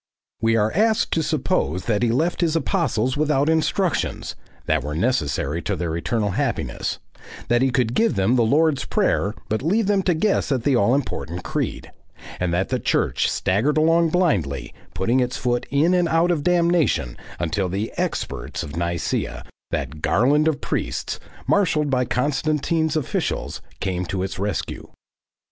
We are asked to suppose that he left his apostles without instructions, that were necessary to their eternal happiness, that he could give them the Lord's Prayer but leave them to guess at the all important Creed,* and that the Church staggered along blindly, putting its foot in and out of damnation, until the "experts" of Nicaea, that "garland of priests," marshalled by Constantine's officials, came to its rescue.